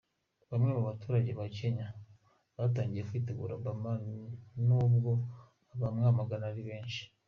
Bamwe mu baturage ba Kenya batangiye kwitegura Obama n’ubwo abamwamagana ari benshi.